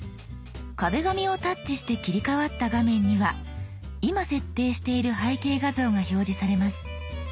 「壁紙」をタッチして切り替わった画面には今設定している背景画像が表示されます。